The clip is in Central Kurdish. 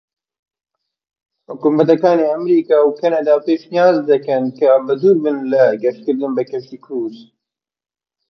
حکومەتەکانی ئەمەریکا و کەنەدا پێشنیاز دەکەن کە بە دووربن لە گەشتکردن بە کەشتی کروس.